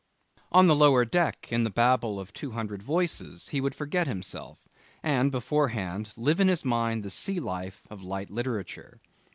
On the lower deck in the babel of two hundred voices he would forget himself, and beforehand live in his mind the sea life of light literature.